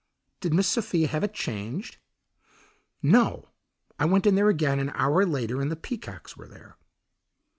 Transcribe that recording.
"Did Miss Sophia have it changed?" "No. I went in there again an hour later and the peacocks were there."